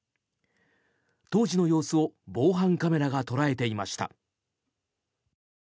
当時の様子を防犯カメラが捉えていました。